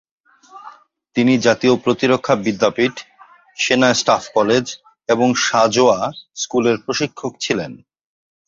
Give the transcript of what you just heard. তিনি জাতীয় প্রতিরক্ষা বিদ্যাপীঠ, সেনা স্টাফ কলেজ এবং সাঁজোয়া স্কুলের প্রশিক্ষক ছিলেন।